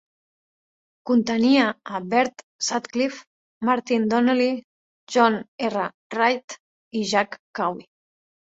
Contenia a Bert Sutcliffe, Martin Donnelly, John R. Reid i Jack Cowie.